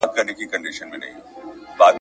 له ازل هېره افغانستانه..